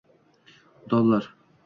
dollar